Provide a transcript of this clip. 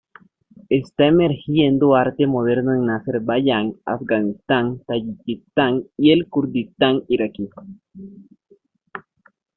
Está emergiendo arte moderno en Azerbaiyán, Afganistán, Tayikistán y el Kurdistán iraquí.